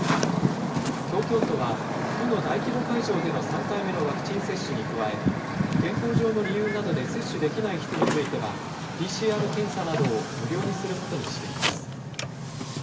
東京都は、都の大規模会場での３回目のワクチン接種に加え、健康上の理由などで接種できない人については、ＰＣＲ検査などを無料にすることにしています。